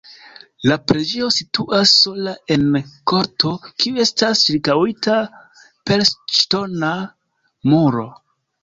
La preĝejo situas sola en korto, kiu estas ĉirkaŭita per ŝtona muro.